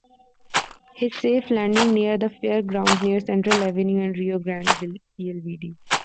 His safe landing near the fairgrounds near Central Avenue and Rio Grande Blvd.